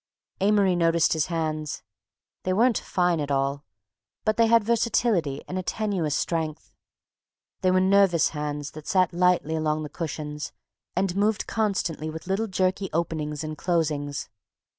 Amory noticed his hands; they weren't fine at all, but they had versatility and a tenuous strength... they were nervous hands that sat lightly along the cushions and moved constantly with little jerky openings and closings.